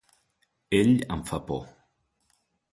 Ell em fa por.